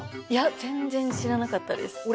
いや全然知らなかったです